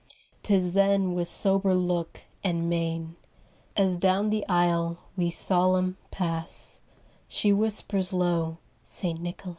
Tis then with sober look, and mein, As down the aisle we, solemn, pass, She whispers low, 'St. Nicholas.